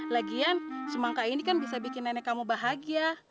lagian semangka ini kan bisa bikin nenek kamu bahagia